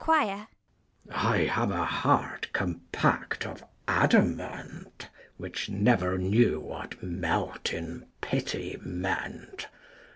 I have a heart compact of adamant, Which never knew what melting pity meant.